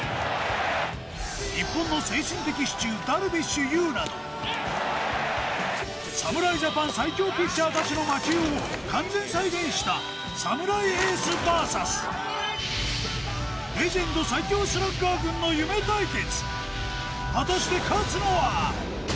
日本の精神的支柱ダルビッシュ有など侍ジャパン最強ピッチャー達の魔球を完全再現した侍エースＶＳレジェンド最強スラッガー軍の夢対決